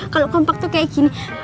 kalau kompak tuh kayak gini